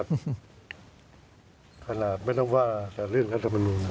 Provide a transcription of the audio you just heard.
ขนาดไม่ต้องว่าแต่เรื่องรัฐมนุน